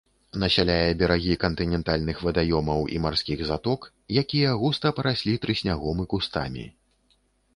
Насяляе берагі кантынентальных вадаёмаў і марскіх заток, якія густа параслі трыснягом і кустамі.